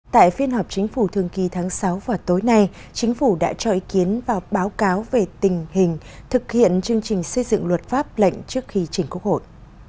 tại phiên họp chính phủ thường kỳ tháng sáu và tối nay chính phủ đã cho ý kiến vào báo cáo về tình hình thực hiện chương trình xây dựng luật pháp lệnh trước khi chỉnh quốc hội